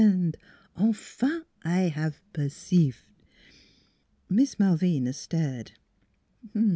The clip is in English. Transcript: Enfin, I have perceive! " Miss Malvina stared.